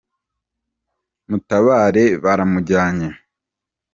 Mutabare baramujyanye!